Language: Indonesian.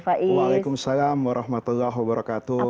waalaikumsalam warahmatullahi wabarakatuh